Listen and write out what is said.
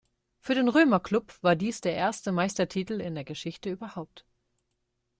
Für den Römer Klub war dies der erste Meistertitel in der Geschichte überhaupt.